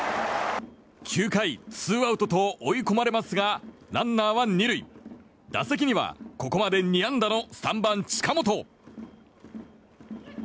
９回、ツーアウトと追い込まれますがランナーは２塁打席にはここまで２安打の３番、近本。